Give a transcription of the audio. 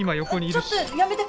あっちょっとやめて。